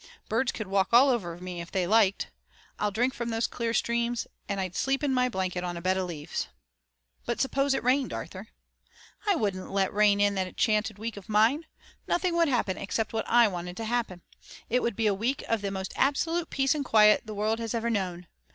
Birds could walk all over me if they liked. I'd drink from those clear streams, and I'd sleep in my blanket on a bed of leaves." "But suppose it rained, Arthur?" "I wouldn't let it rain in that enchanted week of mine. Nothing would happen except what I wanted to happen. It would be a week of the most absolute peace and quiet the world has ever known.